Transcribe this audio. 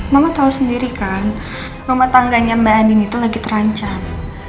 mama tahu sendiri kan rumah tangganya mbak andin itu lagi terancam